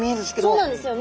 そうなんですよ